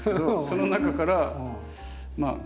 その中からまあ